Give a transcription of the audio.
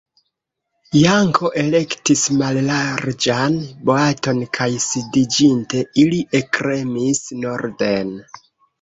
Janko elektis mallarĝan boaton kaj sidiĝinte, ili ekremis norden.